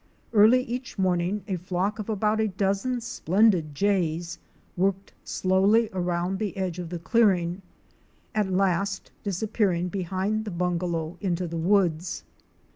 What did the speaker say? Early each morning a flock of about a dozen splendid Jays worked slowly around the edge of the clearing, at last disappearing behind the bungalow into the woods.